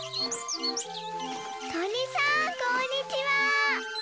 とりさんこんにちは！